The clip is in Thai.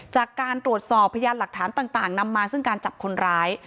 จากการตรวจสอบพยานหลักฐานต่างนำมาซึ่งการจับคนร้าย